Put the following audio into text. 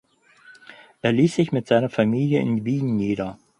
Er ließ sich mit seiner Familie in Wien nieder.